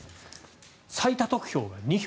最多得票が２票。